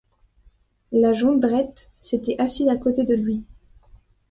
La Jondrette s’était assise à côté de lui.